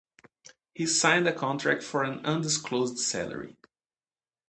He signed a contract for an undisclosed salary.